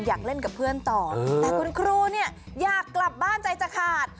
อยากเล่นกับเพื่อนต่อแต่คุณครูเนี่ยอยากกลับบ้านใจจะขาด